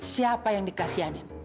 siapa yang dikasihkan